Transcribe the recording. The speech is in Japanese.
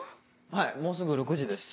はいもうすぐ６時です。